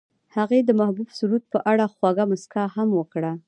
هغې د محبوب سرود په اړه خوږه موسکا هم وکړه.